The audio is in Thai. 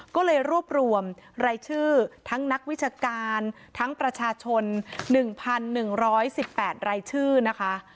ก็เลยรวบรวมรายชื่อทั้งนักวิชาการทั้งประชาชน๑๑๑๘รายชื่อนะคะ